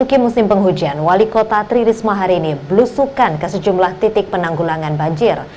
mungkin musim penghujan wali kota tririsma hari ini belusukan ke sejumlah titik penanggulangan banjir